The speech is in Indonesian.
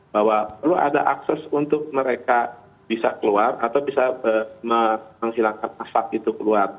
bahwa perlu ada akses untuk mereka bisa keluar atau bisa menghilangkan asap itu keluar